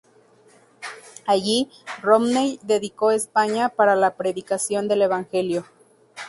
Allí, Romney dedicó España para la predicación del evangelio.